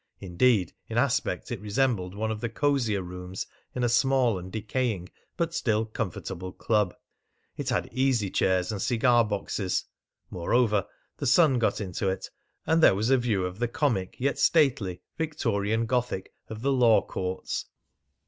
Indeed, in aspect it resembled one of the cosier rooms in a small and decaying but still comfortable club. It had easy chairs and cigar boxes. Moreover, the sun got into it, and there was a view of the comic yet stately Victorian Gothic of the Law Courts.